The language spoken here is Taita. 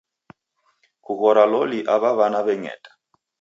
Kughora loli aw'a w'ana w'eng'eta